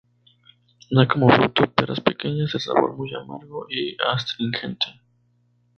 Da como fruto peras pequeñas de sabor muy amargo y astringente.